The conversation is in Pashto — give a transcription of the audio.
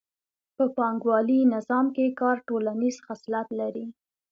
په پانګوالي نظام کې کار ټولنیز خصلت لري